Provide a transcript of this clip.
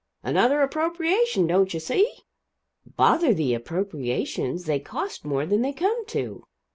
"Another appropriation, don't you see?" "Bother the appropriations. They cost more than they come to."